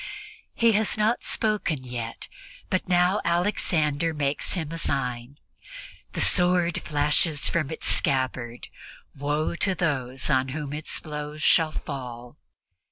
He has not spoken yet, but now Alexander makes him a sign. The sword flashes from its scabbard; woe to those on whom its blows shall fall!